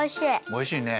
おいしいね！